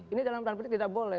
ini dalam prana politik tidak boleh